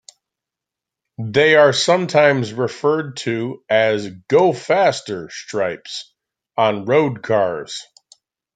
They are sometimes referred to as "go-faster stripes" on road cars.